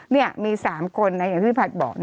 นี่มี๓คนนะอย่างที่พี่ผัดบอก